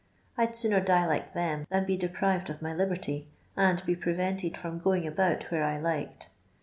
I 'd sooner die like them than be deprived of my liberty, and be pre vented from going about whfte I liked.